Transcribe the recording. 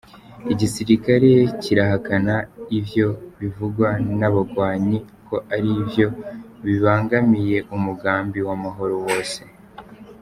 Igisirikare kirahakana ivyo bivugwa n'abagwanyi ko ari vyo bibangamiye umugambi w'amahoro wose.